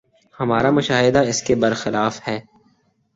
ہمارا مشاہدہ اس کے بر خلاف ہے۔